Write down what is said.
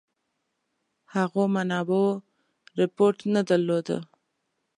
هغو منابعو رپوټ نه درلوده.